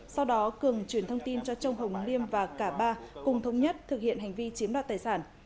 sau đó cường chuyển thông tin cho châu hồng liêm và cả ba cùng thống nhất thực hiện hành vi chiếm đoạt tài sản